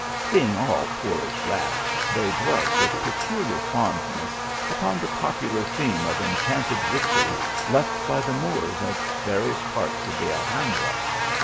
Being all poor as rats, they d ,velt with peculiar fondness upon the popular theme of enchanted riches left by the Moors in various parts of the Alhambra.